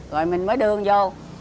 rồi mình mới đường vô